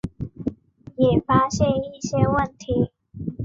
也发现一些问题